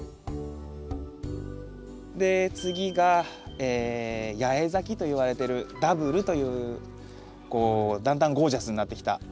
で次が八重咲きといわれてるダブルというこうだんだんゴージャスになってきた。